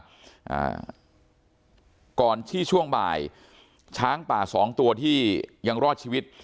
อ่าก่อนที่ช่วงบ่ายช้างป่าสองตัวที่ยังรอดชีวิต